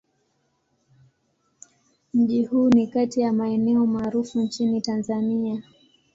Mji huu ni kati ya maeneo maarufu nchini Tanzania.